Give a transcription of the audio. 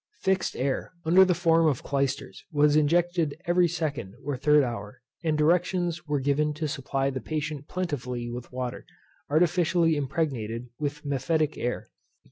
Fixed air, under the form of clysters, was injected every second or third hour; and directions were given to supply the patient plentifully with water, artificially impregnated with mephitic air.